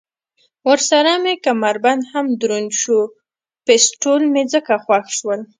ورسره مې کمربند هم دروند شو، پېسټول مې ځکه خوښ شول.